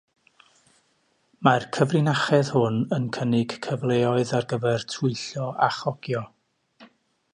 Mae'r cyfrinachedd hwn yn cynnig cyfleoedd ar gyfer twyllo a chogio.